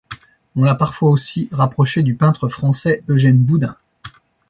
On l'a parfois aussi rapproché du peintre français Eugène Boudin.